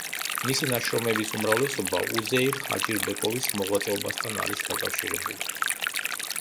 მისი ნაშრომების უმრავლესობა უზეირ ჰაჯიბეკოვის მოღვაწეობასთან არის დაკავშირებული.